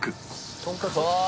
とんかつ？